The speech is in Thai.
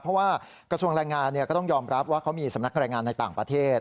เพราะว่ากระทรวงแรงงานก็ต้องยอมรับว่าเขามีสำนักรายงานในต่างประเทศ